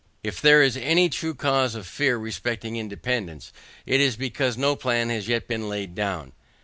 If there is any true cause of fear respecting independance, it is because no plan is yet laid down.